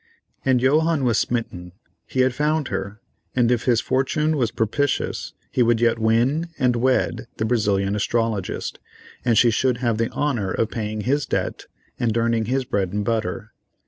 And Johannes was smitten, he had found her, and if his fortune was propitious he would yet win and wed the Brazilian astrologist, and she should have the honor of paying his debt, and earning his bread and butter.